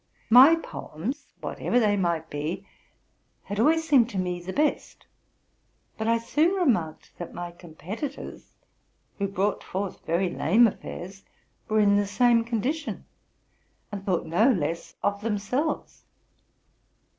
My poems, whatever they might be, always seemed to me the best. But I soon remarked that my competitors, who brought forth very lame affairs, were in the same condition, and thought no less of themselves.